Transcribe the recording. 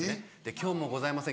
「今日もございません」